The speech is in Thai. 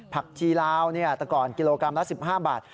ผักชีลาวแต่ก่อนกิโลกรัมละ๑๕บาท